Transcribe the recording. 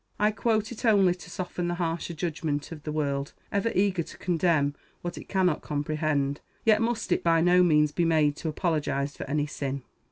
I quote it only to soften the harsher judgment of the world, ever eager to condemn what it cannot comprehend; yet must it by no means be made to apologize for any sin.